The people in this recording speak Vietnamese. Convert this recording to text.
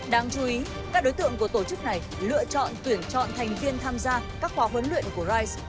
đáng chú ý các đối tượng của tổ chức này lựa chọn tuyển chọn thành viên tham gia các khóa huấn luyện của rise